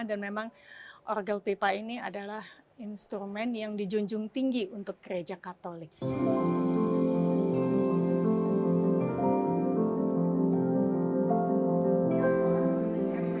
dan memang orgel pipa ini adalah instrumen yang dijunjung tinggi untuk gereja katolik